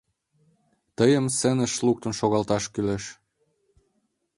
Тыйым сценыш луктын шогалташ кӱлеш.